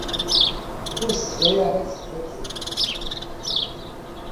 Ur as-ttbayaɛeɣ i tekbabt-nwent.